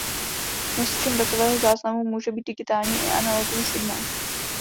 Nosičem datového záznamu může být digitální i analogový signál.